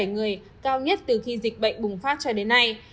một hai trăm bốn mươi bảy người cao nhất từ khi dịch bệnh bùng phát cho đến nay